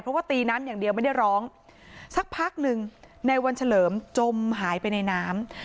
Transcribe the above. เพราะว่าตีน้ำอย่างเดียวไม่ได้ร้องสักพักหนึ่งในวันเฉลิมจมหายไปในน้ำ